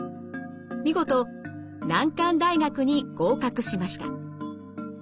見事難関大学に合格しました。